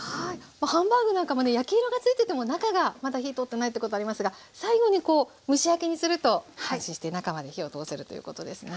ハンバーグなんかもね焼き色がついてても中がまだ火通っていないってことありますが最後にこう蒸し焼きにすると安心して中まで火を通せるということですね。